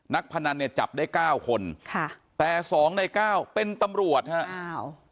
พนันเนี่ยจับได้เก้าคนค่ะแต่สองในเก้าเป็นตำรวจฮะอ้าว